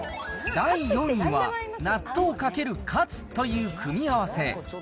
第４位は、納豆×カツという組み合わせ。